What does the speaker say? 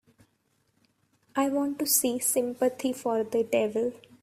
I want to see Sympathy for the Devil